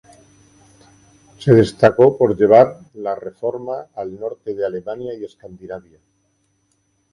Se destacó por llevar la reforma al norte de Alemania y Escandinavia.